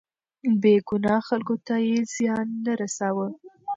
بې ګناه خلکو ته يې زيان نه رساوه.